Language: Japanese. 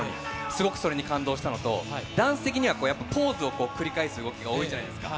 すごくそれに感動したのと、ダンス的には、やっぱポーズを繰り返す動きが多いじゃないですか。